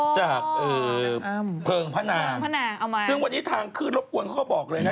จากเออเพลิงพระนางซึ่งวันนี้ทางคืนรบกวนเขาบอกเลยนะ